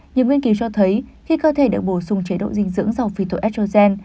nhiều nghiên cứu cho thấy khi cơ thể được bổ sung chế độ dinh dưỡng dầu phyto estrogen